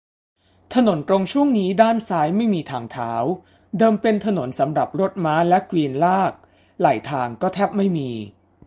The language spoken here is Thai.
ถนนตรงช่วงนี้ ด้านซ้ายไม่มีทางเท้า เดิมเป็นถนนสำหรับรถม้าและเกวียนลาก ไหล่ทางก็แทบไม่มี